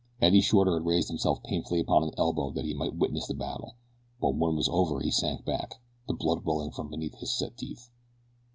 Eddie Shorter had raised himself painfully upon an elbow that he might witness the battle, and when it was over he sank back, the blood welling from between his set teeth.